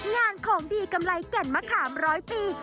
งานของดีกำไรแก่นมะขามร้อยปี